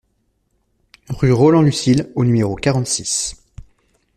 Rue Roland Lucile au numéro quarante-six